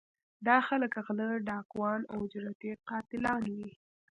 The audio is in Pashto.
دا خلک غلۀ ، ډاکوان او اجرتي قاتلان وي